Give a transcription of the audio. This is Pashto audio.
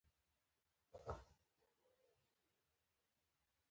ګټه وټه ډېره مهمه ده او تولید د انساني ژوند د بقا وسیله ده.